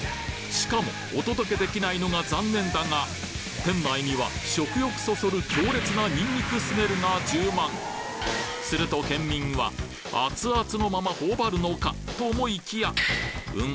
しかもお届けできないのが残念だが店内には食欲そそる強烈なすると県民は熱々のまま頬張るのかと思いきやん？